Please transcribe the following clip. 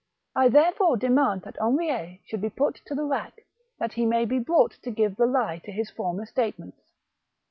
I therefore demand that Henriet should be put on the rack, that he may be brought to give the Ke to his former statements."